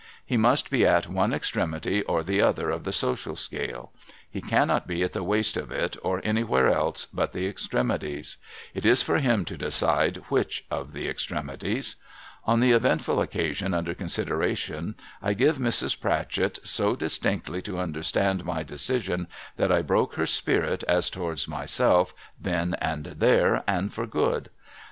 He must be at one extremity or the other of the social scale. He cannot be at the waist of it, or anywhere else but the extremities. It is for him to decide which of the extremities. On the eventful occasion under consideration, I give Mrs. Pratchett so distinctly to understand my decision, that I broke her spirit as towards myself, then and there, and for good.